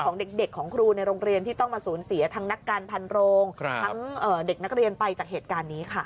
ของเด็กของครูในโรงเรียนที่ต้องมาสูญเสียทั้งนักการพันโรงทั้งเด็กนักเรียนไปจากเหตุการณ์นี้ค่ะ